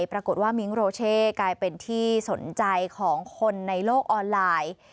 ปรากฏว่ามิ้งโรเช่กลายเป็นที่สนใจของคนในโลกออนไลน์